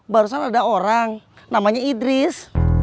barusan ada orang namanya idris